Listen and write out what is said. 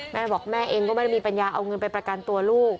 แม่บอกแม่เองก็ไม่ได้มีปัญญาเอาเงินไปประกันตัวลูก